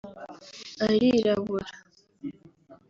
arirabura…